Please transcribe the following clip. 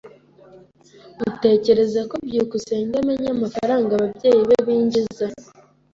Utekereza ko byukusenge amenya amafaranga ababyeyi be binjiza?